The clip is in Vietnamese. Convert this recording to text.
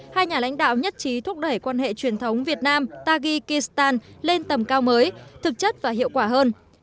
hai nhà lãnh đạo nhất trí thúc đẩy quan hệ truyền thống việt nam taghi kistan lên tầm cao mới thực chất và hiệu quả hơn